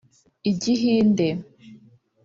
Igihinde